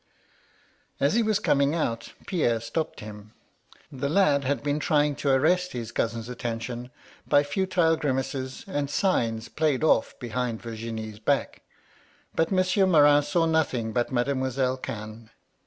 " As he was coming out, Pierre stopped him. The lad had heen trying to arrest his cousin's attention by futile grimaces and signs played off \behind Virginie's back ; but Monsieur Morin saw nothing but Mademoi selle Cannes.